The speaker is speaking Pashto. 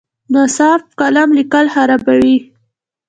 ناصاف قلم لیکل خرابوي.